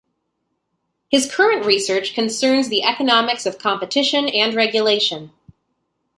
His current research concerns the economics of competition and regulation.